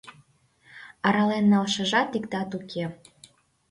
Арален налшыжат иктат уке.